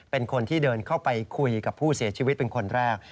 เป็นคนที่เดินเข้าไปคุยกับผู้เสียชีวิตเป็นคนแรก